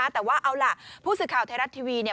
แต่ว่าเอาล่ะผู้สื่อข่าวไทยรัฐทีวีเนี่ย